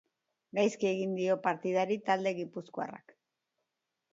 Gaizki ekin dio partidari talde gipuzkoarrak.